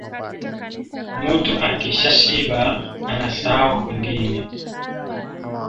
Mutu akisha shiba anasahau wengine